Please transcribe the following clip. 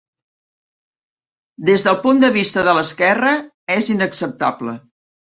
Des del punt de vista de l'esquerra és inacceptable.